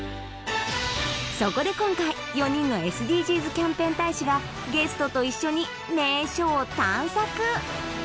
そこで今回４人のＳＤＧｓキャンペーン大使がゲストと一緒に名所を探索